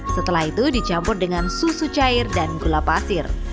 setelah itu dicampur dengan susu cair dan gula pasir